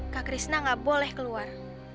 kak krisna gak boleh keluar